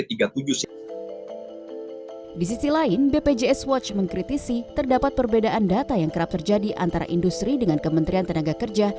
di sisi lain bpjs watch mengkritisi terdapat perbedaan data yang kerap terjadi antara industri dengan kementerian tenaga kerja